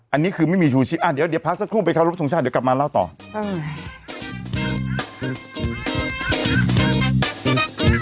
อันนี้คือไม่มีชูชีพอ่ะเดี๋ยวเดี๋ยวพักสักครู่ไปเคารพทรงชาติเดี๋ยวกลับมาเล่าต่ออืม